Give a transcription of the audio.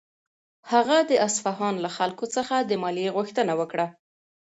هغه د اصفهان له خلکو څخه د مالیې غوښتنه وکړه.